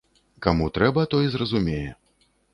Каму трэба, той зразумее.